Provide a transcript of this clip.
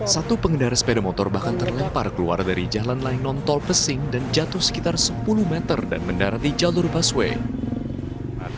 satu pengendara sepeda motor bahkan terlempar keluar dari jalan layang nontol pesing dan jatuh sekitar sepuluh meter dan mendarat di jalur busway